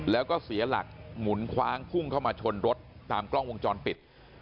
แล้วก็เสียหลักหมุนคว้างพุ่งเข้ามาชนรถตามกล้องวงจรปิด